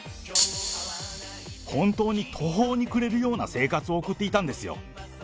本当に途方に暮れるような生活を送っていたんですよ。